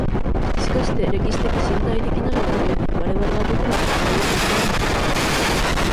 しかして歴史的身体的なるが故に、我々はどこまでも当為的であるのである。